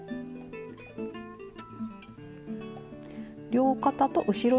両肩と後ろ